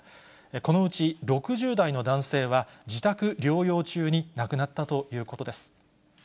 このうち６０代の男性は、自宅療養中に亡くなったということです。